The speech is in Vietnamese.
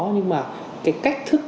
nhưng mà cái cách thức